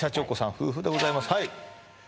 夫婦でございます